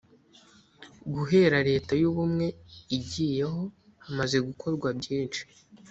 guhera leta y ubumwe igiyeho hamaze gukorwa byinshi